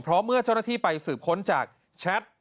เพราะเมื่อเจ้าหน้าที่ไปสืบค้นจากแชท